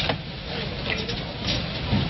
วันนี้เดี๋ยวไปกดตัวงาน